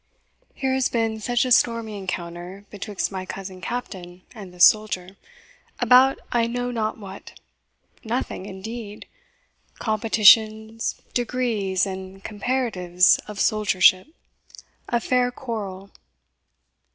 Here has been such a stormy encounter Betwixt my cousin Captain, and this soldier, About I know not what! nothing, indeed; Competitions, degrees, and comparatives Of soldiership! A Faire Qurrell.